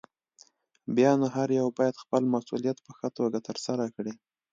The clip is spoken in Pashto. بيا نو هر يو بايد خپل مسؤليت په ښه توګه ترسره کړي.